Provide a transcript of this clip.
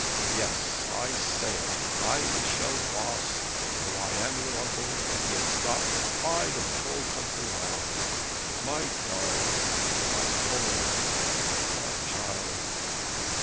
Yes; I say it, I, Michel Voss, though I am your uncle; that he has got the pride of the whole country round. My darling, my own one, my child!'